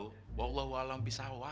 bahwa allah walaupun bisa hawa